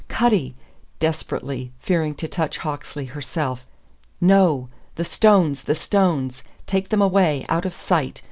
"Cutty!" desperately, fearing to touch Hawksley herself. "No! The stones, the stones! Take them away out of sight!